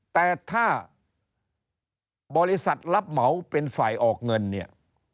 แต่ถ้าบริษัทรับเหมาเป็นฝ่ายออกเงินเนี่ย